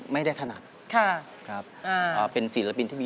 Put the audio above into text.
ไม่มีโอกาสถวงเวลาอยู่เนี่ย